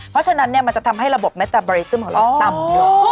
เพราะฉะนั้นมันจะทำให้ระบบเมตตาบริซึมของเราต่ำลง